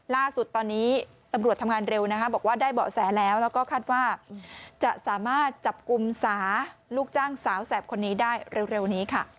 ล่าสุดตอนนี้ตำรวจทำงานเร็วนะคะบอกว่าได้เบาะแสแล้วแล้วก็คาดว่าจะสามารถจับกลุ่มสาลูกจ้างสาวแสบคนนี้ได้เร็วนี้ค่ะ